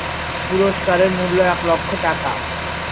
পুরস্কারের মূল্য এক লক্ষ টাকা।